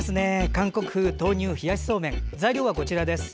韓国風豆乳冷やしそうめん材料はこちらです。